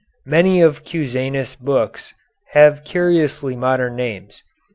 Many of Cusanus' books have curiously modern names.